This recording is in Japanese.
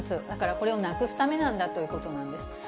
だからこれをなくすためなんだということなんです。